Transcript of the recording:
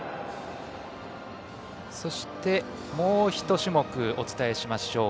そして、もう１種目お伝えしましょう。